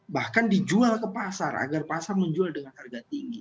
bahkan dijual ke pasar agar pasar menjual dengan harga tinggi